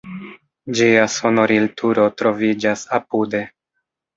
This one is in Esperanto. Ĝia sonorilturo troviĝas apude.